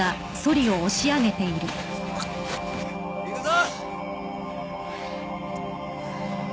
行くぞ！